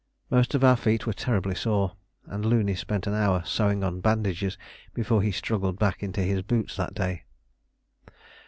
Most of our feet were terribly sore, and Looney spent an hour sewing on bandages before he struggled back into his boots that day.